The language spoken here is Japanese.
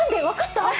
分かった？